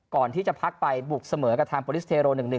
ก่อนที่จะพักไปบุกเสมอกับทางโปรลิสเทโร๑๑